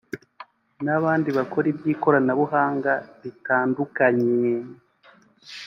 n’abandi bakora iby’ikoranabuhanga ritandukanye